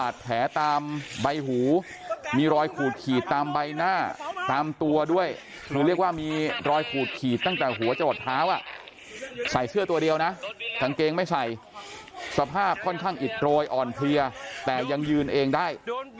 ใส่เสื้อตัวเดียวนะกางเกงไม่ใส่สภาพค่อนข้างอิดโรยอ่อนเพลียแต่ยังยืนเองได้